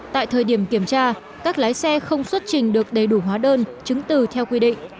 tại thời điểm kiểm tra các lái xe không xuất trình được đầy đủ hóa đơn chứng từ theo quy định